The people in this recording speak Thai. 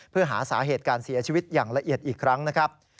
เพื่อหาสาเหตุการเสียชีวิตอย่างละเอียดอีกครั้งนะครับ